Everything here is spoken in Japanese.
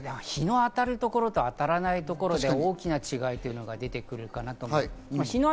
日の当たるところと当たらないところで大きな違いが出てくるかなと思います。